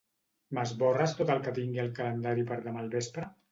M'esborres tot el que tingui al calendari per demà al vespre?